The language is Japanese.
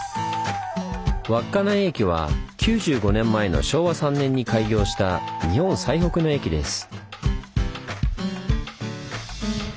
稚内駅は９５年前の昭和３年に開業した日本最北の駅です。